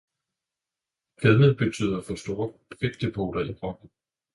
Fedme betyder for store fedtdepoter i kroppen.